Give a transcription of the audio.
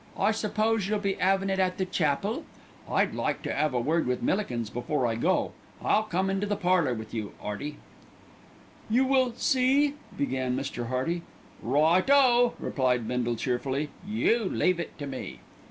I suppose you'll be 'avin' it at the chapel? I'd like to 'ave a word with Millikins before I go. I'll come into the parlour with you, 'Earty." "You will see " began Mr. Hearty. "Right o!" replied Bindle cheerfully. "You leave it to me."